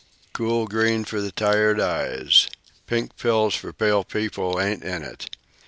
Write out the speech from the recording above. Cool green for tired eyes! Pink pills for pale people ain't in it.